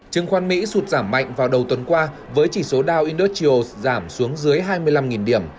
chứng khoán mỹ sụt giảm mạnh vào đầu tuần qua với chỉ số down industios giảm xuống dưới hai mươi năm điểm